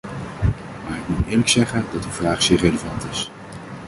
Maar ik moet eerlijk zeggen dat uw vraag zeer relevant is.